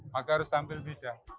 maka harus tampil beda